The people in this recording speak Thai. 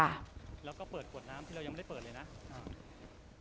อ่าแล้วก็เปิดขวดน้ำที่เรายังไม่ได้เปิดเลยนะอ่า